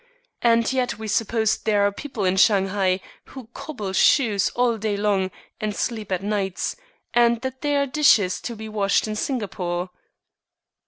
And yet we suppose there are people in Shanghai who cobble shoes all day long and sleep at nights, and that there are dishes to be washed in Singapore.